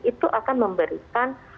itu akan memberikan